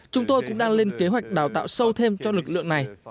chúng tôi cũng đang lên kế hoạch đào tạo sâu thêm cho lực lượng này